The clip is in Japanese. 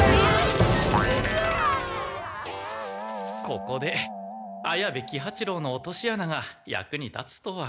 ここで綾部喜八郎の落としあなが役に立つとは。